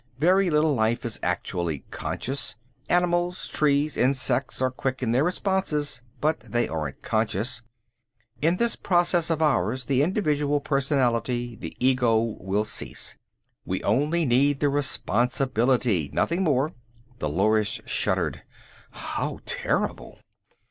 Very little life is actually conscious. Animals, trees, insects are quick in their responses, but they aren't conscious. In this process of ours the individual personality, the ego, will cease. We only need the response ability, nothing more." Dolores shuddered. "How terrible!"